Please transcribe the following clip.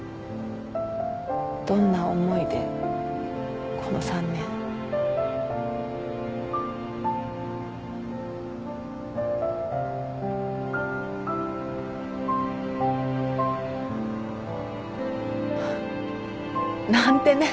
どんな思いでこの３年。なんてね。